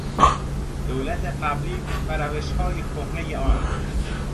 دولت قبلی و روشهای کهنهی آن